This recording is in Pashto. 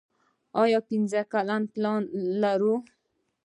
آیا پنځه کلن پلانونه لرو؟